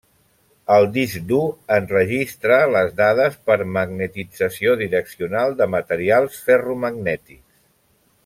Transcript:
El disc dur enregistra les dades per magnetització direccional de materials ferromagnètics.